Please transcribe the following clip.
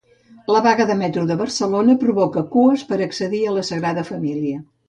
La vaga de Metro de Barcelona provoca cues per accedir a la Sagrada Família